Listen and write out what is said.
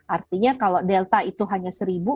artinya kalau delta itu hanya seribu